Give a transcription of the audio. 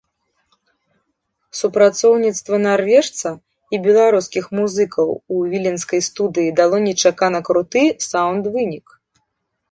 Супрацоўніцтва нарвежца і беларускіх музыкаў у віленскай студыі дало нечакана круты саўнд-вынік.